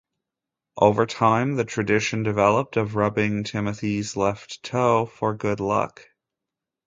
Over time, the tradition developed of rubbing Timothy's left toe for good luck.